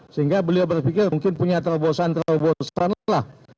sehingga beliau berpikir mungkin punya terlalu bosan terlalu bosan lah